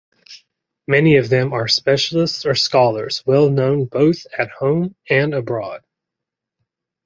Many of them are specialists or scholars well-known both at home and abroad.